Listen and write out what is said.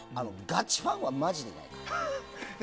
ガチファンはマジでいない。